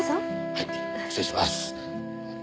はい失礼します。